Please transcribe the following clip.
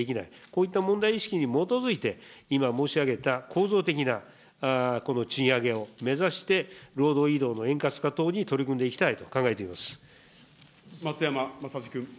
こういった問題意識に基づいて今申し上げた、構造的なこの賃上げを目指して労働移動の円滑化等に取り組んでい松山政司君。